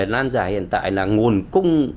lan giả hiện tại là nguồn cung